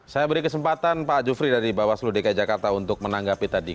saya beri kesempatan pak jufri dari bawaslu dki jakarta untuk menanggapi tadi